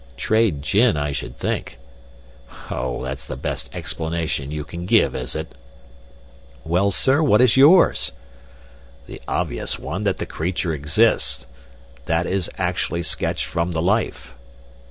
"Trade gin, I should think." "Oh, that's the best explanation you can give, is it?" "Well, sir, what is yours?" "The obvious one that the creature exists. That is actually sketched from the life."